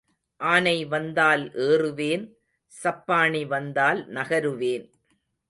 ஆனை வந்தால் ஏறுவேன் சப்பாணி வந்தால் நகருவேன்.